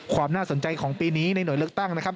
ความน่าสนใจของปีนี้ในหน่วยเลือกตั้งนะครับ